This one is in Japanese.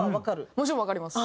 もちろんわかります。